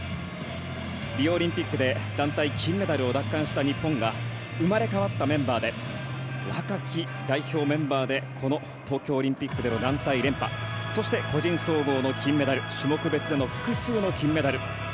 リオオリンピックで団体金メダルを奪還した日本が生まれ変わったメンバーで若き代表メンバーでこの東京オリンピックでの団体連覇そして、個人総合の金メダル種目別での複数の金メダル